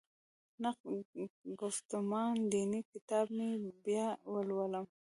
نقد ګفتمان دیني کتاب مې بیا ولولم.